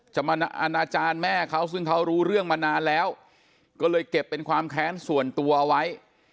จะมาอนาจารย์แม่เขาซึ่งเขารู้เรื่องมานานแล้วก็เลยเก็บเป็นความแค้นส่วนตัวเอาไว้